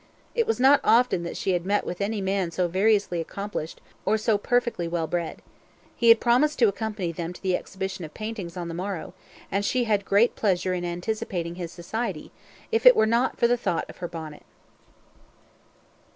It was not often that she had met with any man so variously accomplished, or so perfectly well bred. He had promised to accompany them to the exhibition of paintings on the morrow, and she had great pleasure in anticipating his society, if it were not for the thought of her bonnet.